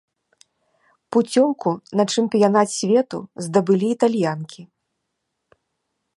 Пуцёўку на чэмпіянат свету здабылі італьянкі.